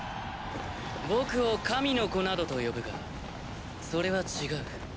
僕を神の子などと呼ぶがそれは違う。